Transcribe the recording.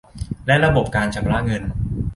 และระบบการชำระเงิน